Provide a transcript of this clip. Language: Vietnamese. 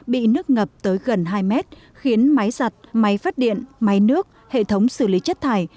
bị nước ngập tới gần hai mét khiến máy giặt máy phát điện máy nước hệ thống xử lý chất thải